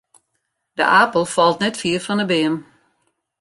De apel falt net fier fan 'e beam.